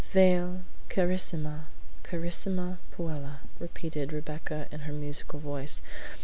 "Vale, carissima, carissima puella!" repeated Rebecca in her musical voice.